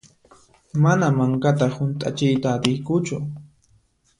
Mana mankata hunt'achiyta atiykuchu.